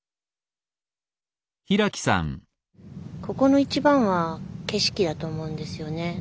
ここの一番は景色だと思うんですよね。